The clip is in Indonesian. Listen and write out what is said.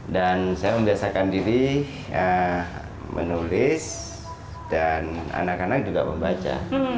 dan saya membiasakan diri ya menulis dan anak anak juga membaca